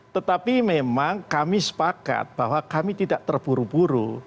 tetapi memang kami sepakat bahwa kami tidak terburu buru